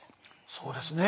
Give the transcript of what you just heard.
そうですね。